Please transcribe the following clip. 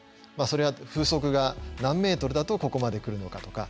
それは風速が何メートだとここまで来るのかとか。